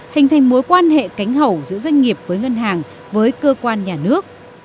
hình thành mối quan hệ cánh hậu giữa doanh nghiệp với ngân hàng với cơ quan nhà nước